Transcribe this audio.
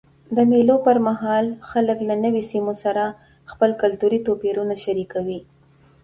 د مېلو پر مهال خلک له نورو سیمو سره خپل کلتوري توپیرونه شریکوي.